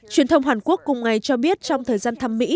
truyền thông hàn quốc cùng ngày cho biết trong thời gian thăm mỹ